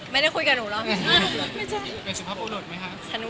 ไม่ได้คุยกับหนูแล้ว